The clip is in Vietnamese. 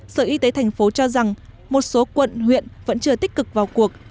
sở y tế tp hcm cho rằng một số quận huyện vẫn chưa tích cực vào cuộc